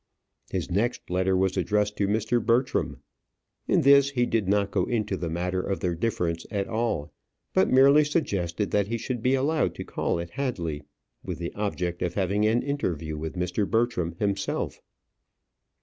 His next letter was addressed to Mr. Bertram. In this he did not go into the matter of their difference at all, but merely suggested that he should be allowed to call at Hadley with the object of having an interview with Mr. Bertram himself.